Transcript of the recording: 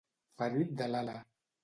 Ferit de l'ala.